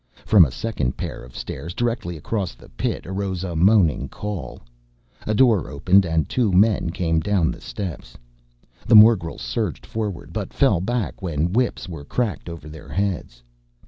From a second pair of stairs directly across the pit arose a moaning call. A door opened and two men came down the steps. The morgels surged forward, but fell back when whips were cracked over their heads.